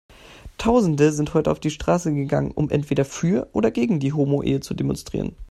Tausende sind heute auf die Straße gegangen, um entweder für oder gegen die Homoehe zu demonstrieren.